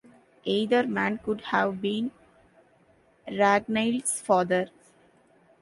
Either man could have been Ragnailt's father.